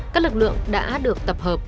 các lực lượng đã được tập hợp